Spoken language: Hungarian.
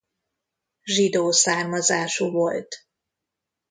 Zsidó származású volt.